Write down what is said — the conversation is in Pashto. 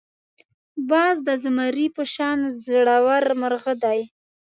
باز د زمري په شان زړور مرغه دی